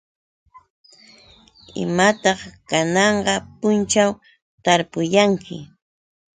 ¿Imataq kanan punćhaw tarpuyanki?